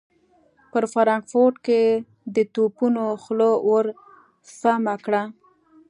پر فرانکفورټ د توپونو خوله ور سمهکړه.